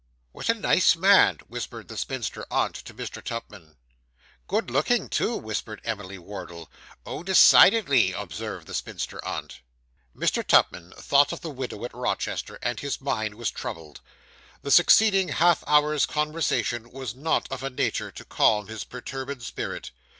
'What a nice man!' whispered the spinster aunt to Mr. Tupman. 'Good looking, too!' whispered Emily Wardle. 'Oh, decidedly,' observed the spinster aunt. Mr. Tupman thought of the widow at Rochester, and his mind was troubled. The succeeding half hour's conversation was not of a nature to calm his perturbed spirit.